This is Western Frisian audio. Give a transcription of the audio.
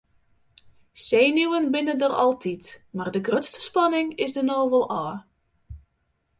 Senuwen binne der altyd mar de grutste spanning is der no wol ôf.